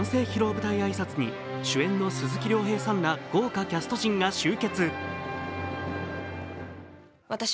舞台挨拶に主演の鈴木亮平さんら豪華キャスト陣が集結。